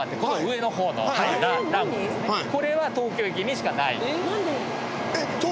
これは東京駅にしかない。